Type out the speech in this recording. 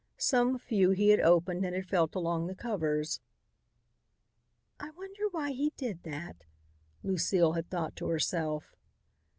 Some few he had opened and had felt along the covers. "I wonder why he did that," Lucile had thought to herself.